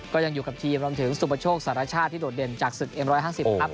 ก็ยังอยู่กับทีมรวมถึงสุปโชคสารชาติที่โดดเด่นจากศึกเอ็ม๑๕๐ครับ